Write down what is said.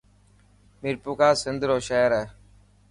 ميپرخاص سنڌ رو شهر هي.